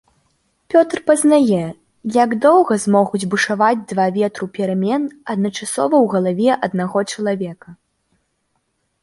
Пётр пазнае, як доўга змогуць бушаваць два ветру перамен адначасова ў галаве аднаго чалавека.